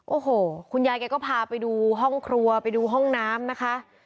โอ้โหคุณยายแกก็พาไปดูห้องครัวไปดูห้องน้ำนะคะ